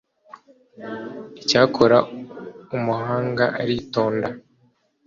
icyakora umuhanga aritonda